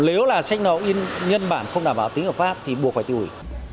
nếu là sách nậu in nhân bản không đảm bảo tính ở pháp thì buộc phải tiêu hủy